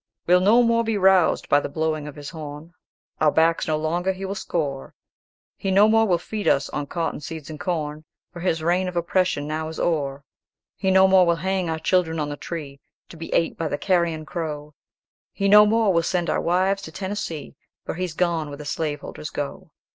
"We'll no more be roused by the blowing of his horn, Our backs no longer he will score; He no more will feed us on cotton seeds and corn; For his reign of oppression now is o'er. He no more will hang our children on the tree, To be ate by the carrion crow; He no more will send our wives to Tennessee; For he's gone where the slaveholders go.